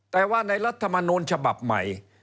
แต่ว่าในรัฐมนูลฉบับใหม่